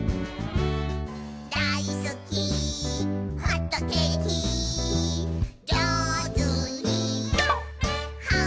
「だいすきホットケーキ」「じょうずにはんぶんこ！」